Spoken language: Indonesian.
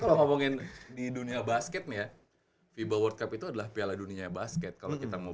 kalau ngomongin di dunia basket nih ya fiba world cup itu adalah piala dunia basket kalau kita mau